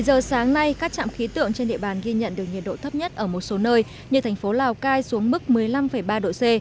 một mươi giờ sáng nay các trạm khí tượng trên địa bàn ghi nhận được nhiệt độ thấp nhất ở một số nơi như thành phố lào cai xuống mức một mươi năm ba độ c